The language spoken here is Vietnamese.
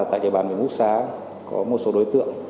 tại địa bàn miền úc xá có một số đối tượng